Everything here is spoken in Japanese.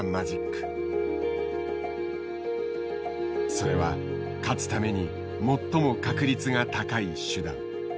それは勝つために最も確率が高い手段。